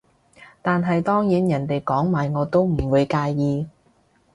但係當然人哋講埋我都唔會介意